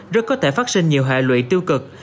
rất có thể phát sinh nhiều hệ lụy tiêu cực